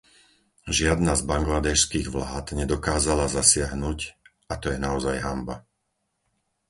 Žiadna z bangladéšskych vlád nedokázala zasiahnuť, a to je naozaj hanba.